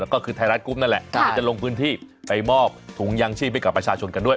แล้วก็คือไทยรัฐกรุ๊ปนั่นแหละที่เดี๋ยวจะลงพื้นที่ไปมอบถุงยางชีพให้กับประชาชนกันด้วย